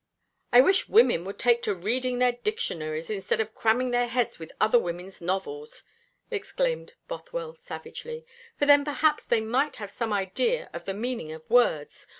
"I wish women would take to reading their dictionaries, instead of cramming their heads with other women's novels," exclaimed Bothwell savagely, "for then perhaps they might have some idea of the meaning of words.